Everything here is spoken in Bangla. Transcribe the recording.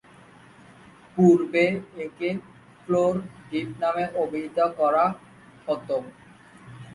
পূর্বে একে ফ্লোর ডিপ নামে অভিহিত করা হত।